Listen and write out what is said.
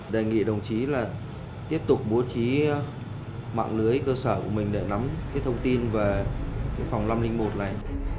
đề nghị đồng chí là tiếp tục bố trí mạng lưới cơ sở của mình để nắm thông tin về phòng năm trăm linh một này